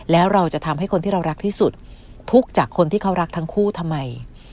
แล้วเราจะทำให้คนที่เรารักที่สุดทุกข์จากคนที่เขารักทั้งคู่ทำไม